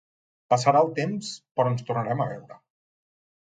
Passarà el temps, però ens tornarem a veure.